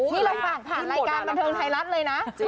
นี่เราฝากผ่านรายการบันเทิงไทยรัฐเลยนะ